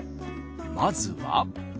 まずは。